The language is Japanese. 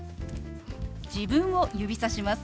自分を指さします。